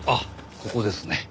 ここですね。